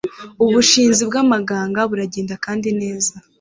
Ubushizi bwamanga baragenda kandi neza